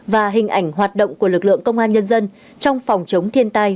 và hình ảnh hoạt động của lực lượng công an nhân dân trong phòng chống thiên tai